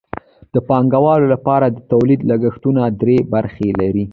د پانګوالو لپاره د تولید لګښتونه درې برخې لري